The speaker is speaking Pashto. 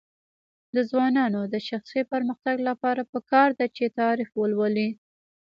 د ځوانانو د شخصي پرمختګ لپاره پکار ده چې تاریخ ولولي.